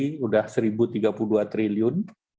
sudah rp satu tiga puluh dua triliun